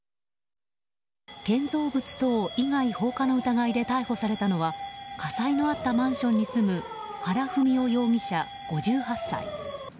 建造物等以外放火の疑いで逮捕されたのは火災のあったマンションに住む原文雄容疑者、５８歳。